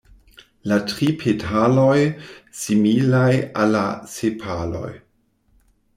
La tri petaloj similaj al la sepaloj.